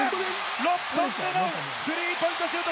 ６本目のスリーポイントシュート！